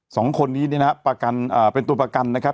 สองคนนี้เนี่ยนะฮะประกันอ่าเป็นตัวประกันนะครับ